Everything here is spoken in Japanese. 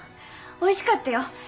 おいしかったよ。